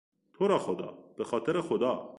تو را خدا!، به خاطر خدا!